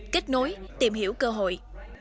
kết nối tìm hiểu cơ hội